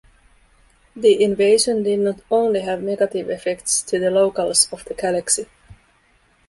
The invasion did not only have negative effects to the locales of the galaxy.